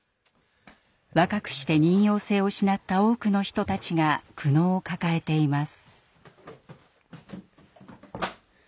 若くして妊よう性を失った多くの人たちが苦悩を抱えています。